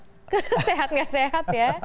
sehat gak sehat ya